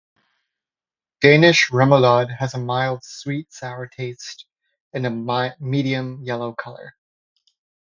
Danish remoulade has a mild, sweet-sour taste and a medium yellow color.